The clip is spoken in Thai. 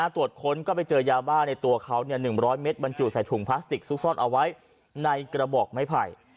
ตรวจค้นก็ไปเจอยาบ้าในตัวเขา๑๐๐เมตรบรรจุใส่ถุงพลาสติกซุกซ่อนเอาไว้ในกระบอกไม้ไผ่